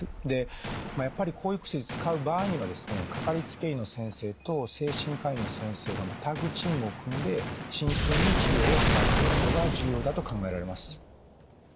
でやっぱりこういう薬使う場合にはですねかかりつけ医の先生と精神科医の先生がタッグチームを組んで慎重に治療を行っていくことが重要だと考えられます。